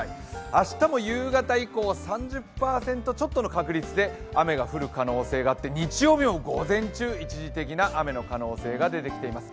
明日も夕方以降、３０％ちょっとの確率で雨が降る可能性があって、日曜日も午前中、一時的な雨の可能性が出てきています。